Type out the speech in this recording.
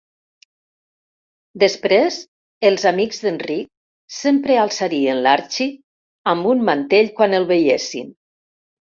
Després els amics d'Enric sempre alçarien l'Archie amb un mantell quan el veiessin.